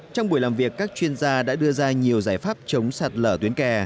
trong buổi làm việc các chuyên gia đã đưa ra nhiều giải pháp chống sạt lở tuyến kè